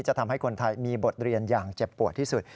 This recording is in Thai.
จะทำให้คนไทยมีบทเรียนอย่างเจ็บปวดที่สุด